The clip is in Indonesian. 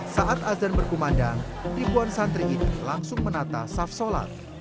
saat azan berkumandang ribuan santri ini langsung menata saf sholat